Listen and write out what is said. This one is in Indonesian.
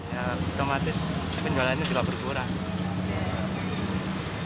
ya otomatis penjualannya juga berkurang